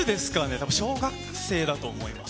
多分、小学生だと思います。